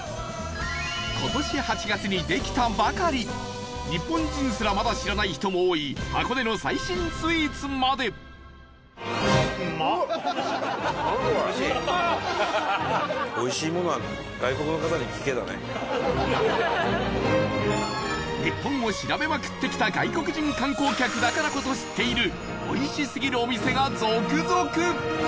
今年８月にできたばかり日本人すらまだ知らない人も多い箱根の最新スイーツまで日本を調べまくってきた外国人観光客だからこそ知っているおいしすぎるお店が続々！